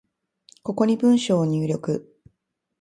ここに文章を入力